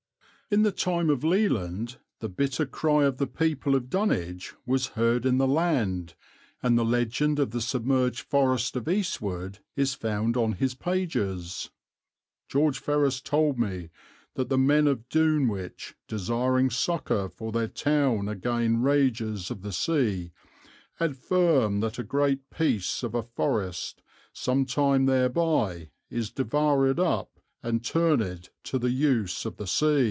In the time of Leland the bitter cry of the people of Dunwich was heard in the land and the legend of the submerged forest of Eastwood is found on his pages: "George Ferras told me that the men of Dunewich desiring Sucour for their Town againe Rages of the Se, adfirme that a great Peace of a Foreste sumtyme therby ys devourid up and turnid to the use of the Se."